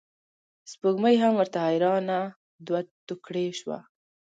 سپوږمۍ هم ورته حیرانه دوه توکړې شوه.